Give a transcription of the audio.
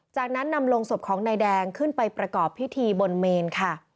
จากนั้นนำลงศพของนายแดงขึ้นไปประกอบพิธีบนเมนค่ะ